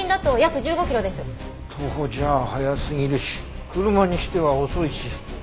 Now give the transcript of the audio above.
徒歩じゃ速すぎるし車にしては遅いし。